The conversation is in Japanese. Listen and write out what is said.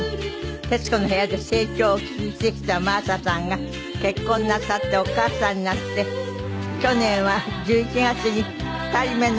『徹子の部屋』で成長を聞いてきた真麻さんが結婚をなさってお母さんになって去年は１１月に２人目の男の子をお産みになったという。